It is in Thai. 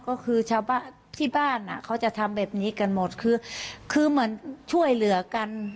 ก็คือที่บ้านเขาจะทำแบบนี้กันหมดคือเหมือนช่วยเหลือกัน